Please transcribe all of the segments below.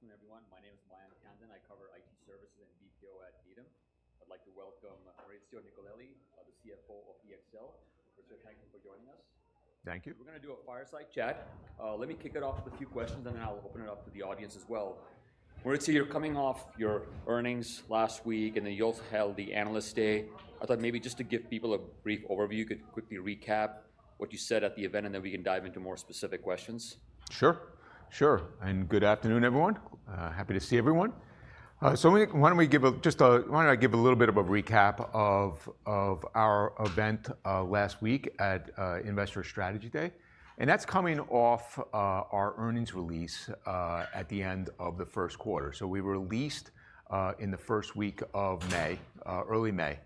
Great. Good afternoon, everyone. My name is Mayank Tandon. I cover IT services and BPO at Needham. I'd like to welcome Maurizio Nicolelli, the CFO of EXL. Maurizio, thank you for joining us. Thank you. We're gonna do a fireside chat. Let me kick it off with a few questions, and then I'll open it up to the audience as well. Maurizio, you're coming off your earnings last week, and then you also held the Analyst Day. I thought maybe just to give people a brief overview, you could quickly recap what you said at the event, and then we can dive into more specific questions. Sure, sure, and good afternoon, everyone. Happy to see everyone. So let me—why don't I give a little bit of a recap of our event last week at Investor Strategy Day? That's coming off our earnings release at the end of the first quarter. So we released in the first week of May, early May,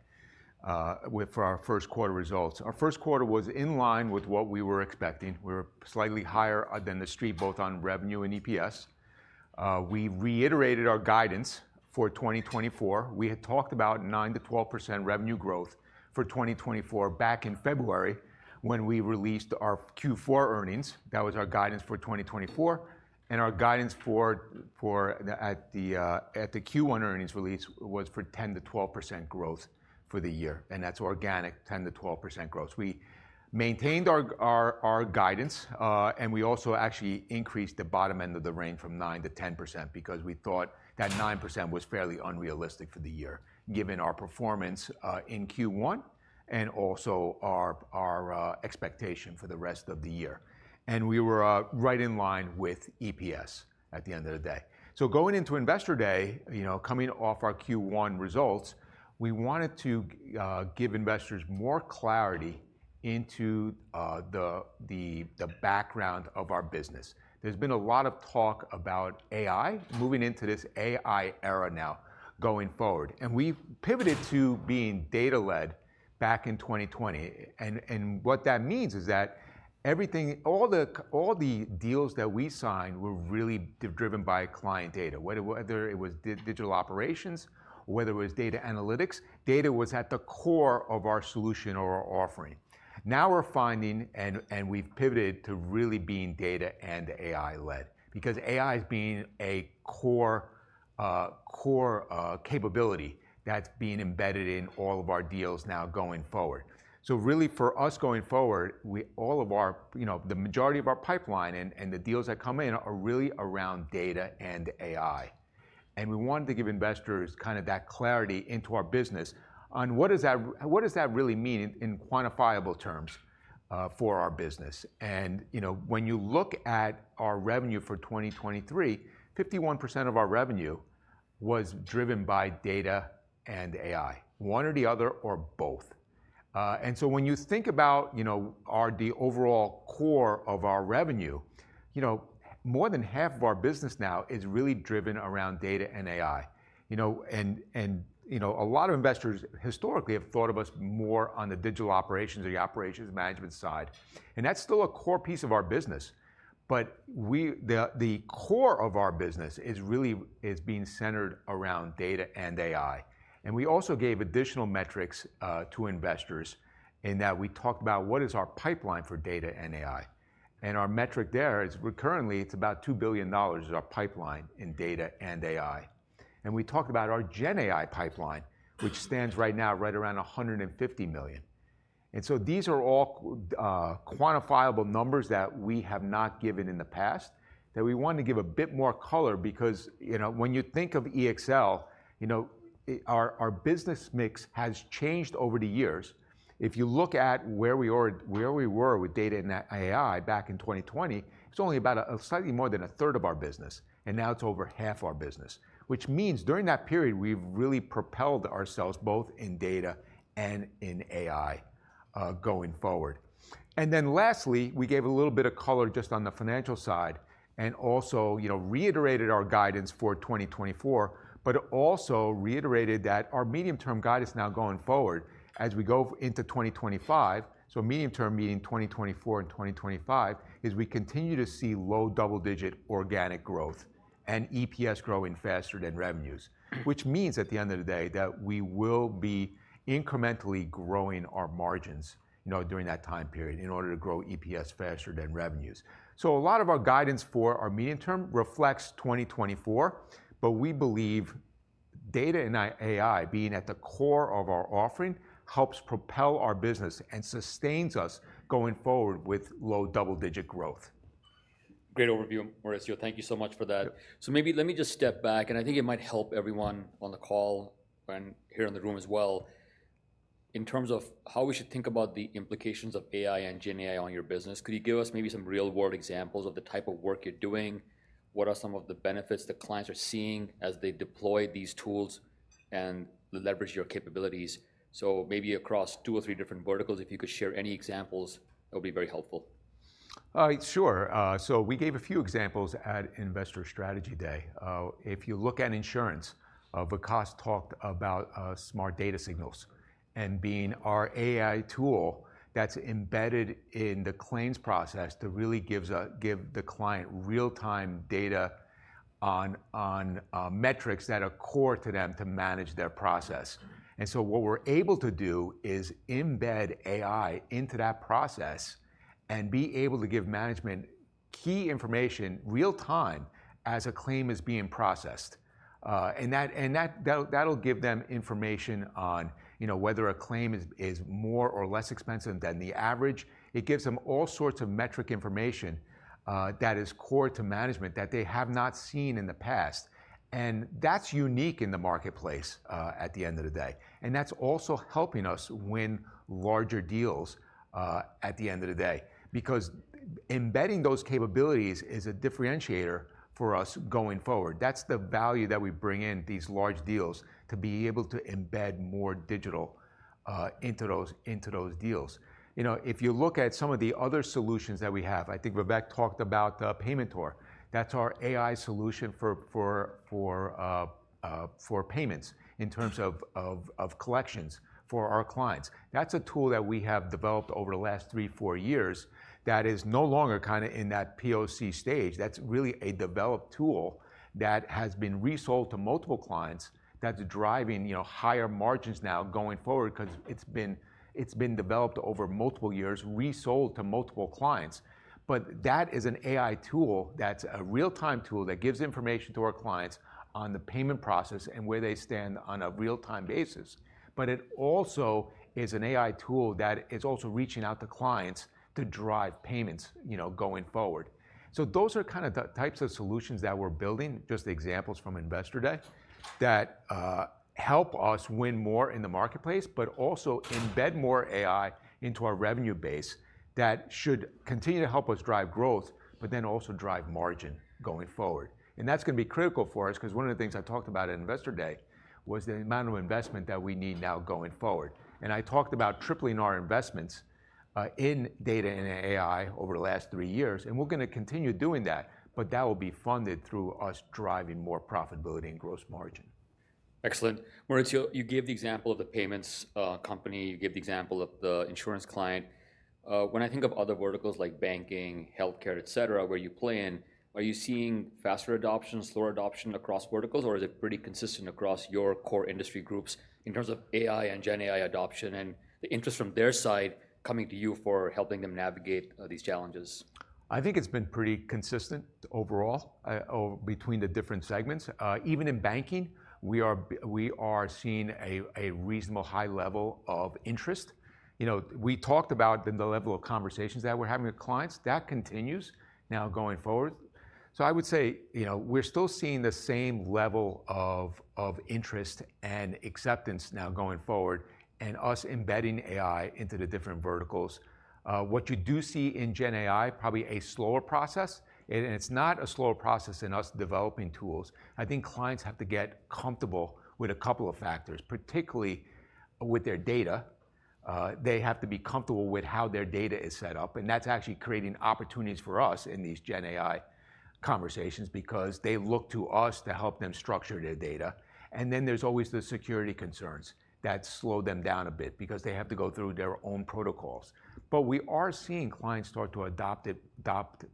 with, for our first quarter results. Our first quarter was in line with what we were expecting. We're slightly higher than the Street, both on revenue and EPS. We reiterated our guidance for 2024. We had talked about 9%-12% revenue growth for 2024 back in February, when we released our Q4 earnings. That was our guidance for 2024, and our guidance for the at the Q1 earnings release was for 10%-12% growth for the year, and that's organic 10%-12% growth. We maintained our our guidance, and we also actually increased the bottom end of the range from 9%-10% because we thought that 9% was fairly unrealistic for the year, given our performance in Q1, and also our our expectation for the rest of the year. And we were right in line with EPS at the end of the day. So going into Investor Day, you know, coming off our Q1 results, we wanted to give investors more clarity into the the the background of our business. There's been a lot of talk about AI, moving into this AI era now, going forward, and we've pivoted to being data-led back in 2020. And what that means is that everything, all the deals that we signed were really driven by client data, whether it was digital operations, or whether it was data analytics, data was at the core of our solution or our offering. Now, we're finding and we've pivoted to really being data and AI-led because AI is being a core core capability that's being embedded in all of our deals now going forward. So really, for us going forward, we, all of our, you know, the majority of our pipeline and the deals that come in are really around data and AI. And we wanted to give investors kind of that clarity into our business on what does that really mean in, in quantifiable terms, for our business? And, you know, when you look at our revenue for 2023, 51% of our revenue was driven by data and AI, one or the other or both. And so when you think about, you know, our, the overall core of our revenue, you know, more than half of our business now is really driven around data and AI, you know? And, and, you know, a lot of investors historically have thought of us more on the digital operations or the operations management side, and that's still a core piece of our business, but the, the core of our business is really, is being centered around data and AI. And we also gave additional metrics to investors in that we talked about what is our pipeline for data and AI, and our metric there is currently it's about $2 billion, our pipeline in data and AI. And we talked about our GenAI pipeline, which stands right now right around $150 million. And so these are all quantifiable numbers that we have not given in the past, that we want to give a bit more color because, you know, when you think of EXL, you know, our, our business mix has changed over the years. If you look at where we were, where we were with data and AI back in 2020, it's only about, slightly more than a third of our business, and now it's over half our business, which means during that period, we've really propelled ourselves both in data and in AI, going forward. And then lastly, we gave a little bit of color just on the financial side and also, you know, reiterated our guidance for 2024, but also reiterated that our medium-term guidance now going forward as we go into 2025, so medium term meaning 2024 and 2025, is we continue to see low double-digit organic growth and EPS growing faster than revenues. Which means, at the end of the day, that we will be incrementally growing our margins, you know, during that time period in order to grow EPS faster than revenues. So a lot of our guidance for our medium term reflects 2024, but we believe data and AI being at the core of our offering, helps propel our business and sustains us going forward with low double-digit growth. Great overview, Maurizio. Thank you so much for that. Yep. So maybe let me just step back, and I think it might help everyone on the call and here in the room as well, in terms of how we should think about the implications of AI and GenAI on your business. Could you give us maybe some real-world examples of the type of work you're doing? What are some of the benefits that clients are seeing as they deploy these tools and leverage your capabilities? So maybe across two or three different verticals, if you could share any examples, that would be very helpful. Sure. So we gave a few examples at Investor Strategy Day. If you look at insurance, Vikas talked about Smart Data Signals and being our AI tool that's embedded in the claims process to really give the client real-time data on metrics that are core to them to keep their process. And so what we're able to do is embed AI into that process and be able to give management key information real time as a claim is being processed. And that'll give them information on, you know, whether a claim is more or less expensive than the average. It gives them all sorts of metric information that is core to management that they have not seen in the past, and that's unique in the marketplace at the end of the day. That's also helping us win larger deals at the end of the day, because embedding those capabilities is a differentiator for us going forward. That's the value that we bring in these large deals, to be able to embed more digital into those deals. You know, if you look at some of the other solutions that we have, I think Rebecca talked about PayMentor. That's our AI solution for payments in terms of collections for our clients. That's a tool that we have developed over the last three, four years that is no longer kind of in that POC stage. That's really a developed tool that has been resold to multiple clients that's driving higher margins now going forward, 'cause it's been developed over multiple years, resold to multiple clients. But that is an AI tool that's a real-time tool that gives information to our clients on the payment process and where they stand on a real-time basis. But it also is an AI tool that is also reaching out to clients to drive payments, you know, going forward. So those are kind of the types of solutions that we're building, just examples from Investor Day, that help us win more in the marketplace, but also embed more AI into our revenue base that should continue to help us drive growth, but then also drive margin going forward. And that's gonna be critical for us, 'cause one of the things I talked about at Investor Day was the amount of investment that we need now going forward. I talked about tripling our investments in data and AI over the last three years, and we're gonna continue doing that, but that will be funded through us driving more profitability and gross margin. Excellent. Maurizio, you gave the example of the payments company, you gave the example of the insurance client. When I think of other verticals like banking, healthcare, et cetera, where you play in, are you seeing faster adoption, slower adoption across verticals, or is it pretty consistent across your core industry groups in terms of AI and GenAI adoption, and the interest from their side coming to you for helping them navigate these challenges? I think it's been pretty consistent overall, between the different segments. Even in banking, we are seeing a reasonable high level of interest. You know, we talked about the level of conversations that we're having with clients. That continues now going forward. So I would say, you know, we're still seeing the same level of interest and acceptance now going forward, and us embedding AI into the different verticals. What you do see in GenAI, probably a slower process, and it's not a slower process in us developing tools. I think clients have to get comfortable with a couple of factors, particularly with their data. They have to be comfortable with how their data is set up, and that's actually creating opportunities for us in these GenAI conversations, because they look to us to help them structure their data. And then there's always the security concerns that slow them down a bit because they have to go through their own protocols. But we are seeing clients start to adopt it, adopt,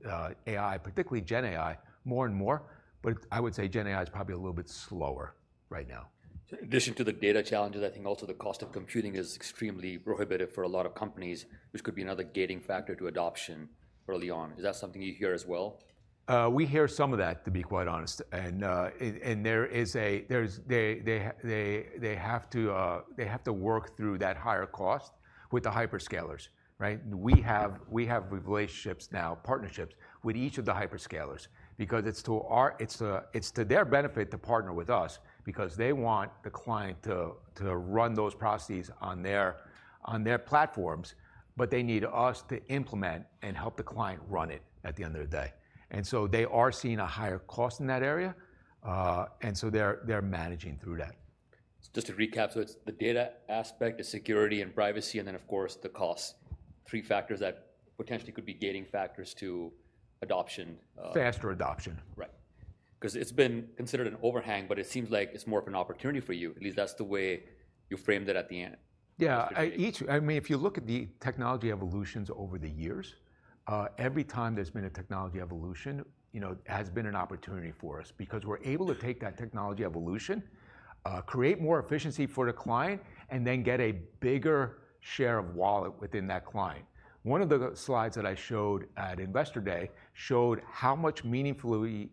AI, particularly GenAI, more and more, but I would say GenAI is probably a little bit slower right now. In addition to the data challenges, I think also the cost of computing is extremely prohibitive for a lot of companies, which could be another gating factor to adoption early on. Is that something you hear as well? We hear some of that, to be quite honest. And there is, they have to work through that higher cost with the hyperscalers, right? We have relationships now, partnerships with each of the hyperscalers, because it's to their benefit to partner with us, because they want the client to run those processes on their platforms, but they need us to implement and help the client run it at the end of the day. And so they are seeing a higher cost in that area, and so they're managing through that. Just to recap, so it's the data aspect, the security and privacy, and then of course, the cost. Three factors that potentially could be gating factors to adoption. Faster adoption. Right. 'Cause it's been considered an overhang, but it seems like it's more of an opportunity for you, at least that's the way you framed it at the end. Yeah. I mean, if you look at the technology evolutions over the years, every time there's been a technology evolution, you know, it has been an opportunity for us. Because we're able to take that technology evolution, create more efficiency for the client, and then get a bigger share of wallet within that client. One of the slides that I showed at Investor Day showed how much meaningfully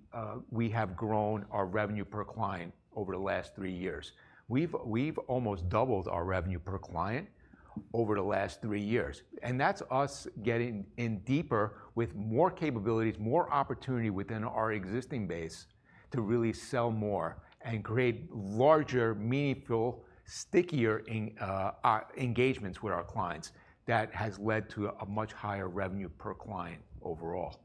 we have grown our revenue per client over the last three years. We've almost doubled our revenue per client over the last three years, and that's us getting in deeper with more capabilities, more opportunity within our existing base to really sell more and create larger, meaningful, stickier engagements with our clients that has led to a much higher revenue per client overall.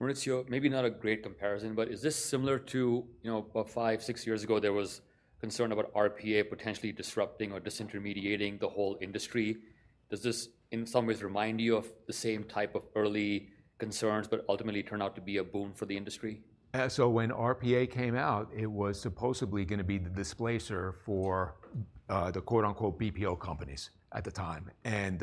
Maurizio, maybe not a great comparison, but is this similar to, you know, about 5 years-6 years ago, there was concern about RPA potentially disrupting or disintermediating the whole industry? Does this, in some ways, remind you of the same type of early concerns, but ultimately turned out to be a boon for the industry? So when RPA came out, it was supposedly gonna be the displacer for, the, quote-unquote, "BPO companies" at the time. And,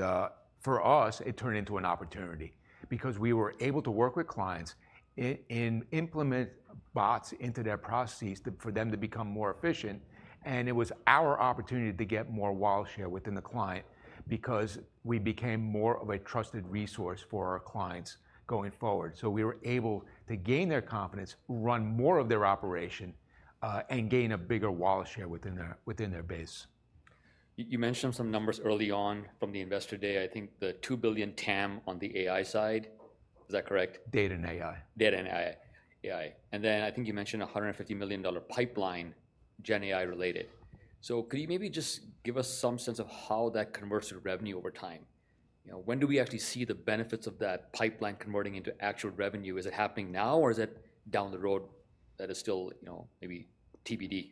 for us, it turned into an opportunity, because we were able to work with clients and implement bots into their processes to, for them to become more efficient, and it was our opportunity to get more wallet share within the client because we became more of a trusted resource for our clients going forward. So we were able to gain their confidence, run more of their operation, and gain a bigger wallet share within their, within their base. You mentioned some numbers early on from the Investor Day, I think the 2 billion TAM on the AI side. Is that correct? Data and AI. Data and AI, AI. And then I think you mentioned a $150 million dollar pipeline, GenAI related. So could you maybe just give us some sense of how that converts to revenue over time? You know, when do we actually see the benefits of that pipeline converting into actual revenue? Is it happening now, or is it down the road that is still, you know, maybe TBD?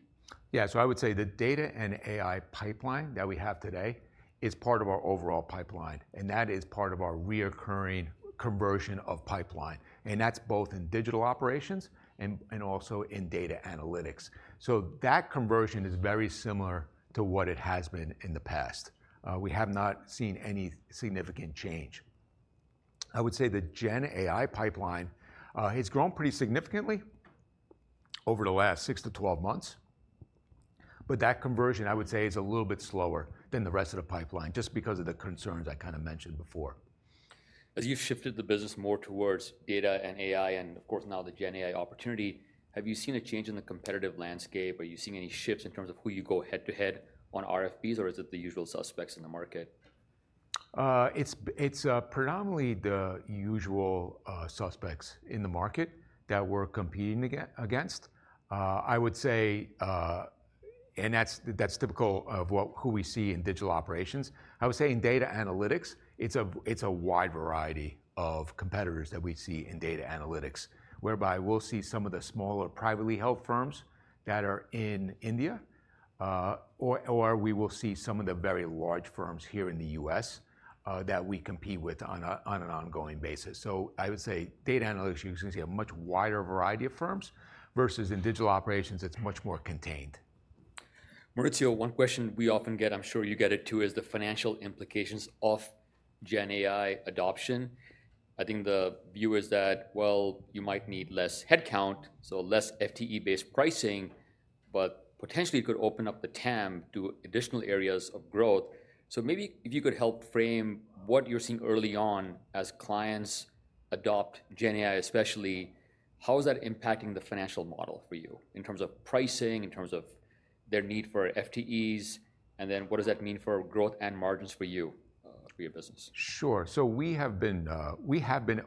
Yeah, so I would say the data and AI pipeline that we have today is part of our overall pipeline, and that is part of our recurring conversion of pipeline, and that's both in digital operations and also in data analytics. So that conversion is very similar to what it has been in the past. We have not seen any significant change. I would say the GenAI pipeline has grown pretty significantly over the last 6-12 months, but that conversion, I would say, is a little bit slower than the rest of the pipeline, just because of the concerns I kinda mentioned before. As you've shifted the business more towards data and AI, and of course, now the GenAI opportunity, have you seen a change in the competitive landscape? Are you seeing any shifts in terms of who you go head-to-head on RFPs, or is it the usual suspects in the market? It's predominantly the usual suspects in the market that we're competing against. I would say that's typical of who we see in digital operations. I would say in data analytics, it's a wide variety of competitors that we see in data analytics, whereby we'll see some of the smaller, privately held firms that are in India, or we will see some of the very large firms here in the US, that we compete with on an ongoing basis. So I would say data analytics, you're gonna see a much wider variety of firms, versus in digital operations, it's much more contained. Maurizio, one question we often get, I'm sure you get it too, is the financial implications of GenAI adoption. I think the view is that, well, you might need less headcount, so less FTE-based pricing, but potentially it could open up the TAM to additional areas of growth. So maybe if you could help frame what you're seeing early on as clients adopt GenAI especially, how is that impacting the financial model for you in terms of pricing, in terms of their need for FTEs, and then what does that mean for growth and margins for you, for your business? Sure. So we have been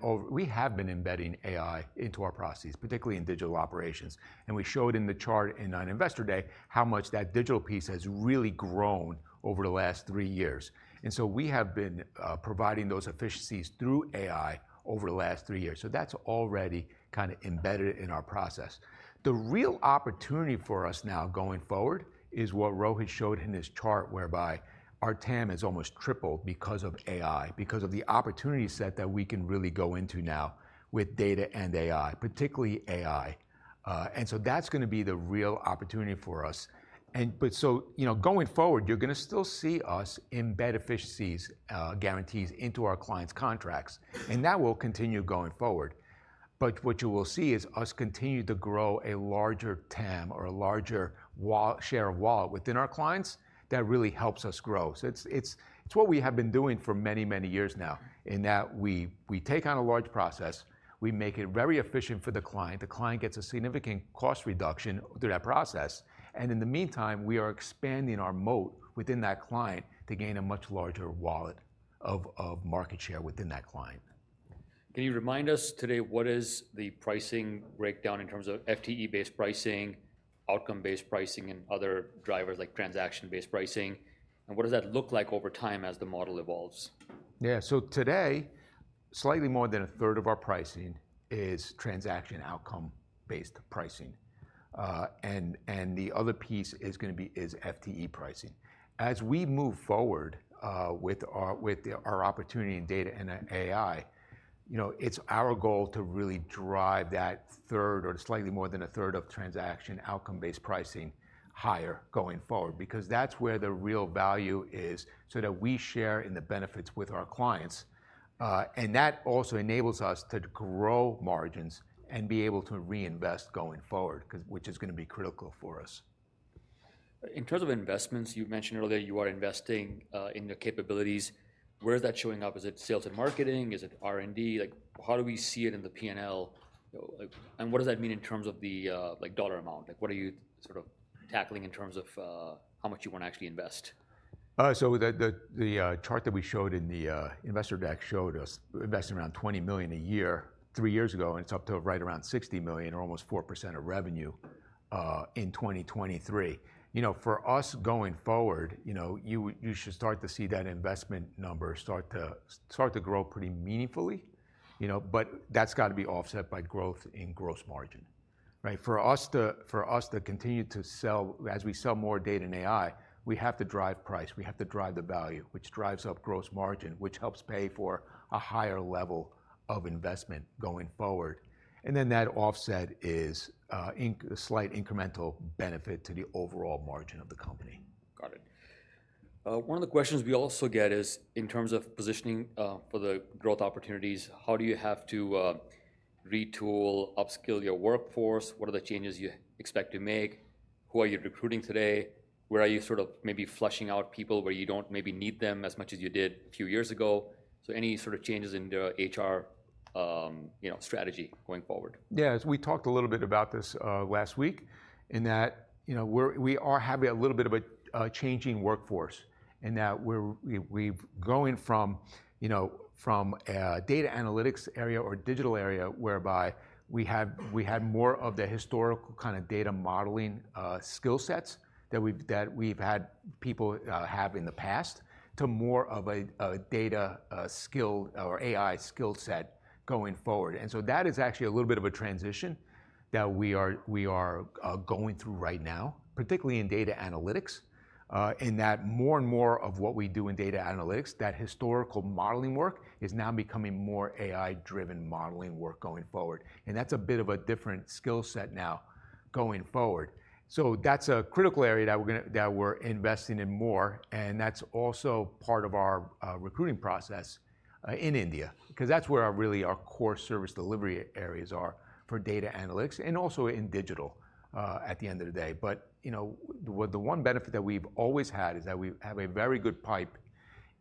embedding AI into our processes, particularly in digital operations, and we showed in the chart in on Investor Day, how much that digital piece has really grown over the last three years. And so we have been providing those efficiencies through AI over the last three years, so that's already kinda embedded in our process. The real opportunity for us now going forward is what Rohit showed in his chart, whereby our TAM has almost tripled because of AI, because of the opportunity set that we can really go into now with data and AI, particularly AI. And so that's gonna be the real opportunity for us. And but so, you know, going forward, you're gonna still see us embed efficiencies, guarantees into our clients' contracts, and that will continue going forward. What you will see is us continue to grow a larger TAM or a larger share of wallet within our clients. That really helps us grow. It's, it's, it's what we have been doing for many, many years now, in that we, we take on a large process, we make it very efficient for the client, the client gets a significant cost reduction through that process, and in the meantime, we are expanding our moat within that client to gain a much larger share of wallet within that client. Can you remind us today, what is the pricing breakdown in terms of FTE-based pricing, outcome-based pricing, and other drivers, like transaction-based pricing? What does that look like over time as the model evolves? Yeah. So today, slightly more than a third of our pricing is transaction outcome-based pricing. And the other piece is gonna be, is FTE pricing. As we move forward, with our opportunity in data and AI, you know, it's our goal to really drive that third or slightly more than a third of transaction outcome-based pricing higher going forward, because that's where the real value is, so that we share in the benefits with our clients. And that also enables us to grow margins and be able to reinvest going forward, 'cause which is gonna be critical for us. In terms of investments, you've mentioned earlier you are investing in the capabilities. Where is that showing up? Is it sales and marketing? Is it R&D? Like, how do we see it in the P&L, like... And what does that mean in terms of the, like, dollar amount? Like, what are you sort of tackling in terms of, how much you wanna actually invest? So the chart that we showed in the investor deck showed us investing around $20 million a year, three years ago, and it's up to right around $60 million, or almost 4% of revenue in 2023. You know, for us, going forward, you know, you should start to see that investment number start to grow pretty meaningfully, you know, but that's gotta be offset by growth and gross margin, right? For us to continue to sell, as we sell more data and AI, we have to drive price. We have to drive the value, which drives up gross margin, which helps pay for a higher level of investment going forward. And then, that offset is slight incremental benefit to the overall margin of the company. Got it. One of the questions we also get is in terms of positioning for the growth opportunities, how do you have to retool, upskill your workforce? What are the changes you expect to make? Who are you recruiting today? Where are you sort of maybe flushing out people where you don't maybe need them as much as you did a few years ago? So any sort of changes in the HR, you know, strategy going forward? Yeah, as we talked a little bit about this last week, in that, you know, we are having a little bit of a changing workforce, in that we're going from, you know, from a data analytics area or digital area, whereby we had more of the historical kind of data modeling skill sets that we've had people have in the past, to more of a data skill or AI skill set going forward. And so that is actually a little bit of a transition that we are going through right now, particularly in data analytics. In that more and more of what we do in data analytics, that historical modeling work is now becoming more AI-driven modeling work going forward, and that's a bit of a different skill set now going forward. So that's a critical area that we're investing in more, and that's also part of our recruiting process in India. 'Cause that's where our really our core service delivery areas are for data analytics and also in digital at the end of the day. But, you know, the one benefit that we've always had is that we have a very good pipe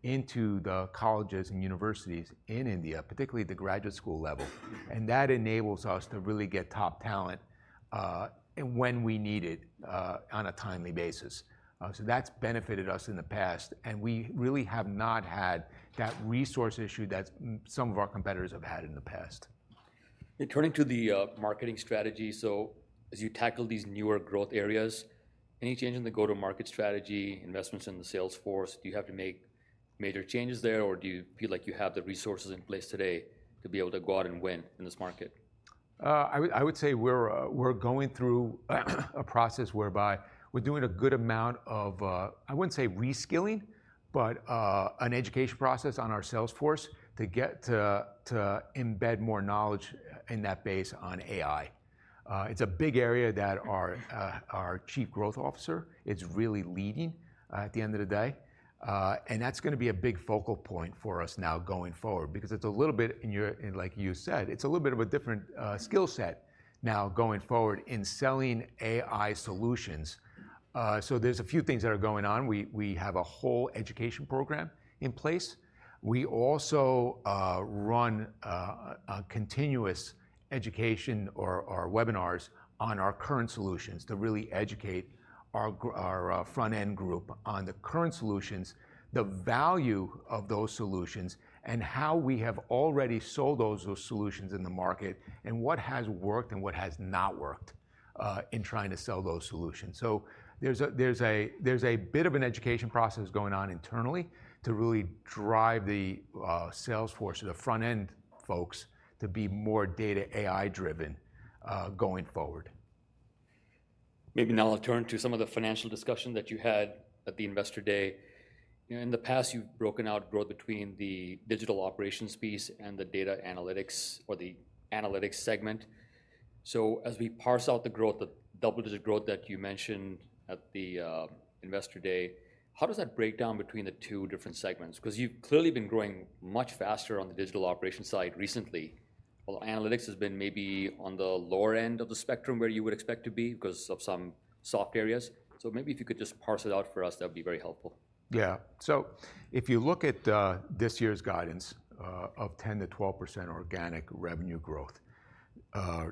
into the colleges and universities in India, particularly at the graduate school level, and that enables us to really get top talent and when we need it on a timely basis. So that's benefited us in the past, and we really have not had that resource issue that some of our competitors have had in the past. Turning to the marketing strategy, so as you tackle these newer growth areas, any change in the go-to-market strategy, investments in the sales force? Do you have to make major changes there, or do you feel like you have the resources in place today to be able to go out and win in this market? I would say we're going through a process whereby we're doing a good amount of, I wouldn't say reskilling, but an education process on our sales force to embed more knowledge in that base on AI. It's a big area that our Chief Growth Officer is really leading at the end of the day. And that's gonna be a big focal point for us now going forward because it's a little bit, and like you said, it's a little bit of a different skill set now going forward in selling AI solutions. So there's a few things that are going on. We have a whole education program in place. We also run a continuous education or webinars on our current solutions to really educate our front-end group on the current solutions, the value of those solutions, and how we have already sold those solutions in the market, and what has worked and what has not worked in trying to sell those solutions. So there's a bit of an education process going on internally to really drive the sales force or the front-end folks to be more data AI-driven going forward. Maybe now I'll turn to some of the financial discussion that you had at the Investor Day. In the past, you've broken out growth between the digital operations piece and the data analytics or the analytics segment. So as we parse out the growth, the double-digit growth that you mentioned at the Investor Day, how does that break down between the two different segments? 'Cause you've clearly been growing much faster on the digital operations side recently. While analytics has been maybe on the lower end of the spectrum where you would expect to be because of some soft areas. So maybe if you could just parse it out for us, that would be very helpful. Yeah. So if you look at this year's guidance of 10%-12% organic revenue growth,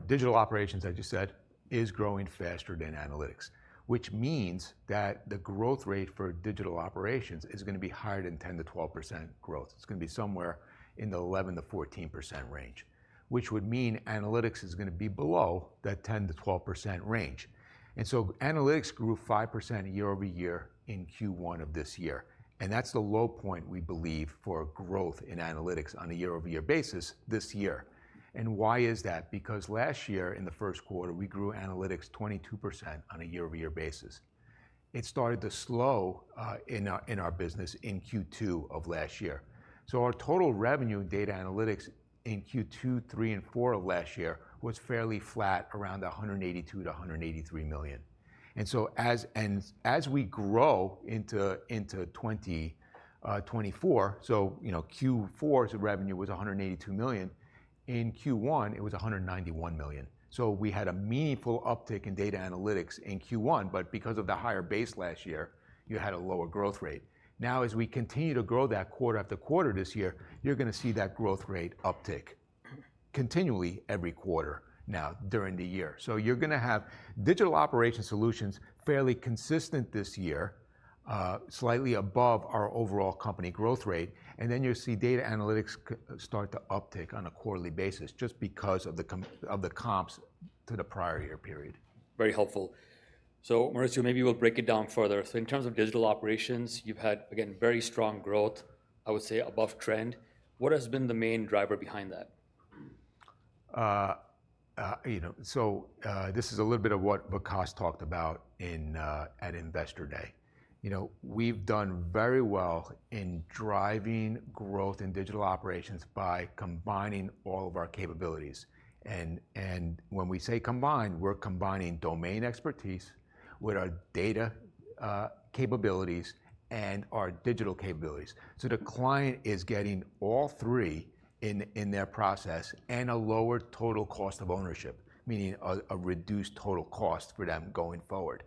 digital operations, as you said, is growing faster than analytics. Which means that the growth rate for digital operations is gonna be higher than 10%-12% growth. It's gonna be somewhere in the 11%-14% range, which would mean analytics is gonna be below that 10%-12% range. And so analytics grew 5% year-over-year in Q1 of this year, and that's the low point we believe for growth in analytics on a year-over-year basis this year. And why is that? Because last year, in the first quarter, we grew analytics 22% on a year-over-year basis. It started to slow in our business in Q2 of last year. So our total revenue in data analytics in Q2, 3, and 4 of last year was fairly flat, around $182 million-$183 million. And so as we grow into 2024, so, you know, Q4's revenue was $182 million. In Q1, it was $191 million. So we had a meaningful uptick in data analytics in Q1, but because of the higher base last year, you had a lower growth rate. Now, as we continue to grow that quarter after quarter this year, you're gonna see that growth rate uptick continually every quarter now during the year. So you're gonna have digital operation solutions fairly consistent this year, slightly above our overall company growth rate, and then you'll see data analytics start to uptick on a quarterly basis just because of the comps to the prior year period. Very helpful. So Maurizio, maybe we'll break it down further. So in terms of digital operations, you've had, again, very strong growth, I would say above trend. What has been the main driver behind that? You know, so this is a little bit of what Vikas talked about in at Investor Day. You know, we've done very well in driving growth in digital operations by combining all of our capabilities. And when we say combined, we're combining domain expertise with our data capabilities and our digital capabilities. So the client is getting all three in their process, and a lower total cost of ownership, meaning a reduced total cost for them going forward.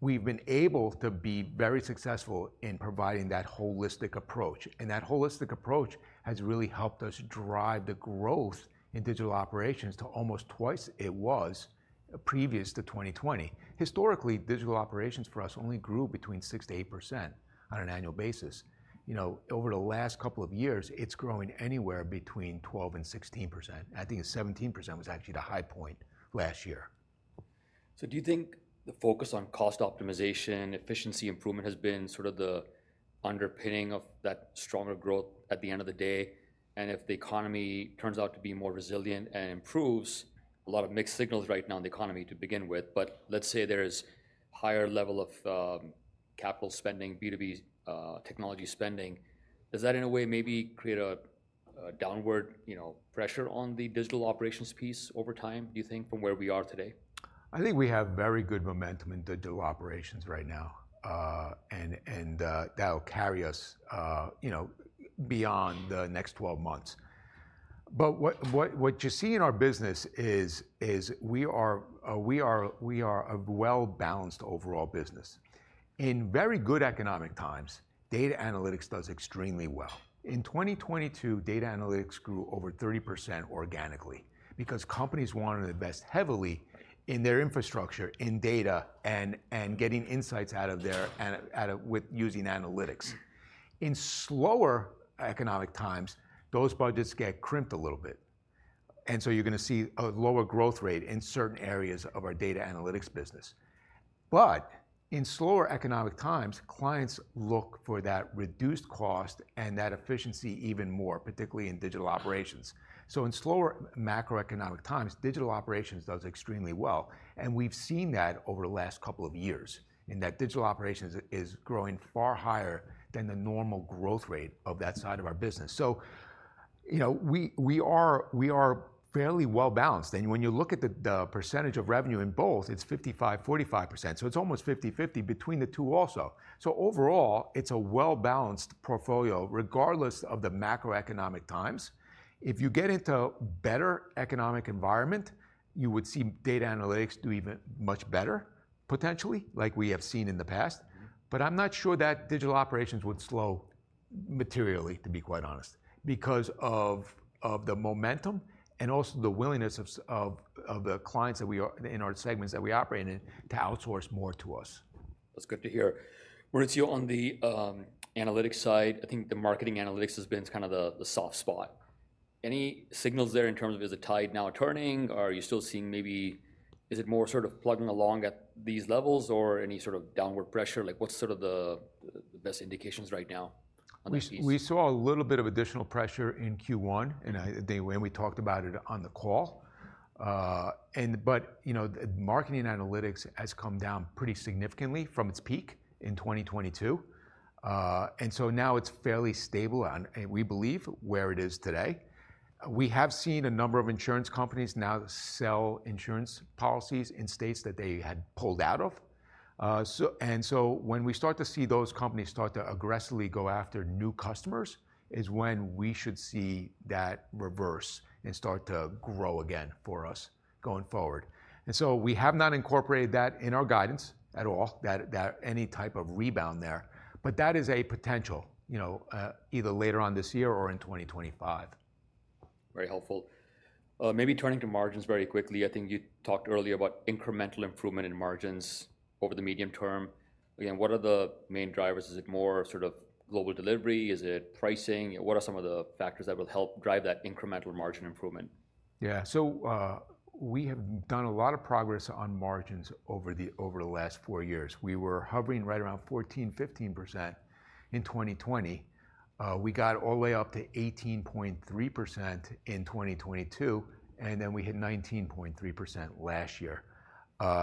We've been able to be very successful in providing that holistic approach, and that holistic approach has really helped us drive the growth in digital operations to almost twice it was previous to 2020. Historically, digital operations for us only grew between 6%-8% on an annual basis. You know, over the last couple of years, it's growing anywhere between 12% and 16%. I think 17% was actually the high point last year. So do you think the focus on cost optimization, efficiency improvement, has been sort of the underpinning of that stronger growth at the end of the day? And if the economy turns out to be more resilient and improves, a lot of mixed signals right now in the economy to begin with, but let's say there is higher level of, capital spending, B2B, technology spending, does that in a way maybe create a downward, you know, pressure on the digital operations piece over time, do you think, from where we are today? I think we have very good momentum in digital operations right now. And that'll carry us, you know, beyond the next 12 months. But what you see in our business is we are a well-balanced overall business. In very good economic times, data analytics does extremely well. In 2022, data analytics grew over 30% organically, because companies wanted to invest heavily- Right ...in their infrastructure, in data, and getting insights out of there, and with using analytics. In slower economic times, those budgets get crimped a little bit, and so you're going to see a lower growth rate in certain areas of our data analytics business. But in slower economic times, clients look for that reduced cost and that efficiency even more, particularly in digital operations. So in slower macroeconomic times, digital operations does extremely well, and we've seen that over the last couple of years, in that digital operations is growing far higher than the normal growth rate of that side of our business. So, you know, we are fairly well-balanced. And when you look at the percentage of revenue in both, it's 55/45%, so it's almost 50/50 between the two also. So overall, it's a well-balanced portfolio, regardless of the macroeconomic times. If you get into better economic environment, you would see data analytics do even much better, potentially, like we have seen in the past. Mm-hmm. But I'm not sure that digital operations would slow materially, to be quite honest, because of the momentum and also the willingness of the clients that we are... in our segments that we operate in, to outsource more to us. That's good to hear. Maurizio, on the analytics side, I think the marketing analytics has been kind of the soft spot. Any signals there in terms of is the tide now turning, or are you still seeing maybe, is it more sort of plugging along at these levels, or any sort of downward pressure? Like, what's sort of the best indications right now on that piece? We saw a little bit of additional pressure in Q1, and we talked about it on the call. But, you know, marketing analytics has come down pretty significantly from its peak in 2022. And so now it's fairly stable, and we believe where it is today. We have seen a number of insurance companies now sell insurance policies in states that they had pulled out of. So when we start to see those companies start to aggressively go after new customers, is when we should see that reverse and start to grow again for us going forward. And so we have not incorporated that in our guidance at all, any type of rebound there, but that is a potential, you know, either later on this year or in 2025. Very helpful. Maybe turning to margins very quickly. I think you talked earlier about incremental improvement in margins over the medium term. Again, what are the main drivers? Is it more sort of global delivery? Is it pricing? What are some of the factors that will help drive that incremental margin improvement? Yeah. So, we have done a lot of progress on margins over the, over the last four years. We were hovering right around 14, 15% in 2020. We got all the way up to 18.3% in 2022, and then we hit 19.3% last year,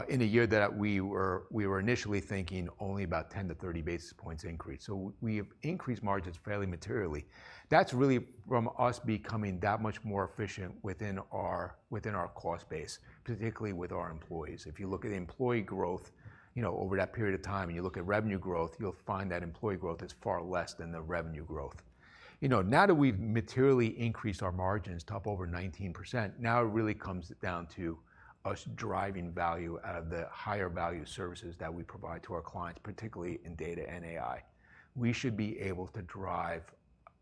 in a year that we were, we were initially thinking only about 10-30 basis points increase. So we have increased margins fairly materially. That's really from us becoming that much more efficient within our, within our cost base, particularly with our employees. If you look at employee growth, you know, over that period of time, and you look at revenue growth, you'll find that employee growth is far less than the revenue growth. You know, now that we've materially increased our margins to up over 19%, now it really comes down to us driving value out of the higher value services that we provide to our clients, particularly in data and AI. We should be able to drive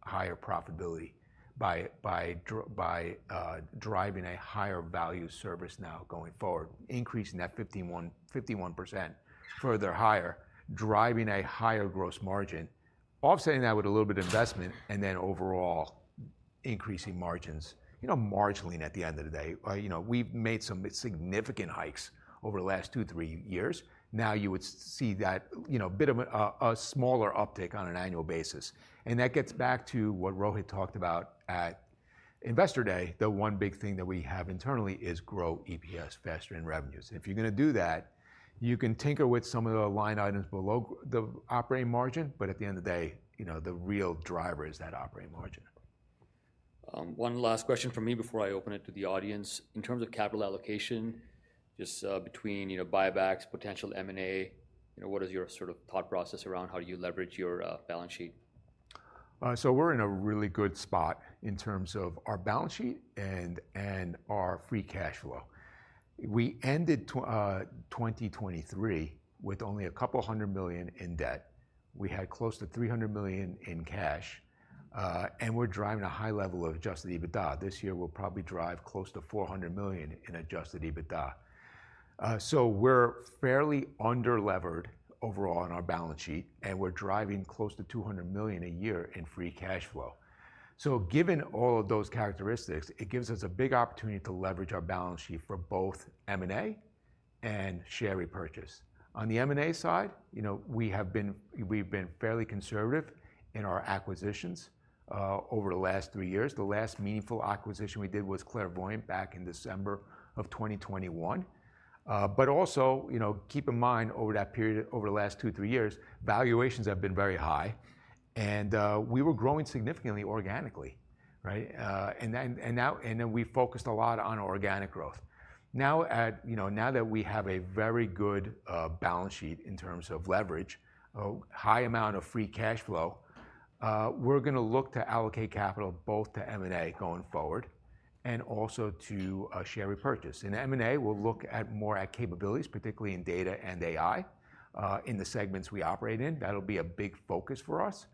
higher profitability by driving a higher value service now going forward, increasing that 51, 51% further higher, driving a higher gross margin, offsetting that with a little bit of investment, and then overall increasing margins. You know, marginally at the end of the day. You know, we've made some significant hikes over the last two, three years. Now you would see that, you know, bit of a smaller uptick on an annual basis. That gets back to what Rohit talked about at Investor Day, the one big thing that we have internally is grow EPS faster than revenues. If you're going to do that, you can tinker with some of the line items below the operating margin, but at the end of the day, you know, the real driver is that operating margin.... One last question from me before I open it to the audience. In terms of capital allocation, just, between, you know, buybacks, potential M&A, you know, what is your sort of thought process around how you leverage your, balance sheet? So we're in a really good spot in terms of our balance sheet and, and our free cash flow. We ended 2023 with only a couple hundred million in debt. We had close to $300 million in cash, and we're driving a high level of adjusted EBITDA. This year we'll probably drive close to $400 million in adjusted EBITDA. So we're fairly under-levered overall on our balance sheet, and we're driving close to $200 million a year in free cash flow. So given all of those characteristics, it gives us a big opportunity to leverage our balance sheet for both M&A and share repurchase. On the M&A side, you know, we've been fairly conservative in our acquisitions, over the last three years. The last meaningful acquisition we did was Clairvoyant back in December 2021. But also, you know, keep in mind, over that period, over the last two, three years, valuations have been very high and we were growing significantly organically, right? And now we focused a lot on organic growth. Now, you know, now that we have a very good balance sheet in terms of leverage, a high amount of free cash flow, we're gonna look to allocate capital both to M&A going forward and also to share repurchase. In M&A, we'll look more at capabilities, particularly in data and AI, in the segments we operate in. That'll be a big focus for us.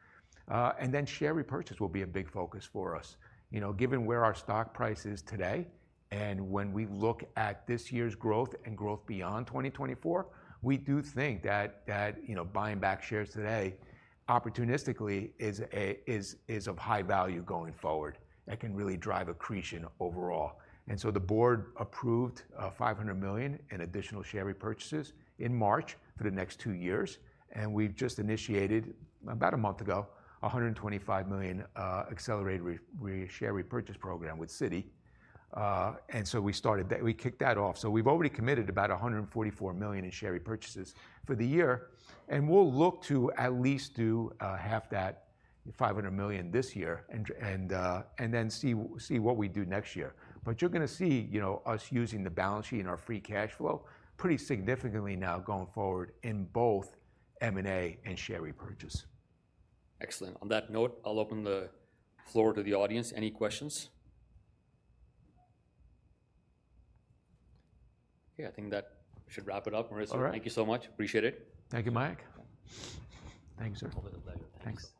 And share repurchase will be a big focus for us. You know, given where our stock price is today, and when we look at this year's growth and growth beyond 2024, we do think that you know, buying back shares today opportunistically is of high value going forward, that can really drive accretion overall. And so the board approved $500 million in additional share repurchases in March for the next two years, and we've just initiated, about a month ago, $125 million accelerated share repurchase program with Citi. And so we started that. We kicked that off. So we've already committed about $144 million in share repurchases for the year, and we'll look to at least do half that $500 million this year, and then see what we do next year. But you're gonna see, you know, us using the balance sheet and our free cash flow pretty significantly now going forward in both M&A and share repurchase. Excellent. On that note, I'll open the floor to the audience. Any questions? Okay, I think that should wrap it up. All right. Marissa, thank you so much. Appreciate it. Thank you, Mayank. Thanks, sir. All the pleasure. Thanks.